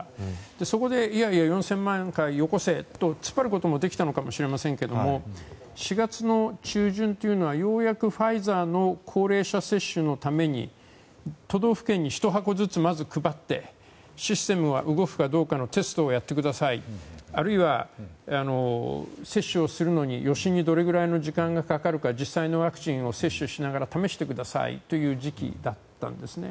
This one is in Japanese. そこでいやいや、４０００万回よこせと突っ張ることもできたかもしれませんけど４月中旬というのはようやくファイザーの高齢者接種のために都道府県に１箱ずつまず配ってシステムが動くかどうかのテストをやってくださいあるいは接種をするのに、予診にどれくらいの時間がかかるか実際のワクチンを接種しながら試してくださいという時期だったんですね。